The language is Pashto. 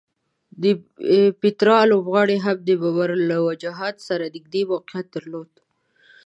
د پیترا لوبغالی هم د ممر الوجحات سره نږدې موقعیت درلود.